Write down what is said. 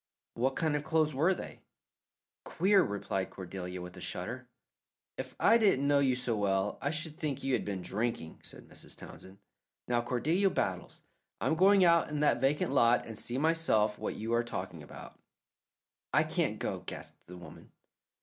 "What kind of clothes were they?" "Queer," replied Cordelia, with a shudder. "If I didn't know you so well, I should think you had been drinking," said Mrs. Townsend. "Now, Cordelia Battles, I'm going out in that vacant lot and see myself what you're talking about." "I can't go," gasped the woman.